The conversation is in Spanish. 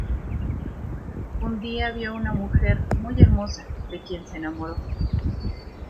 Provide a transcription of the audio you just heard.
Un día vio a una mujer muy hermosa de quien se enamoró.